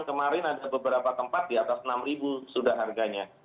kemarin ada beberapa tempat di atas rp enam sudah harganya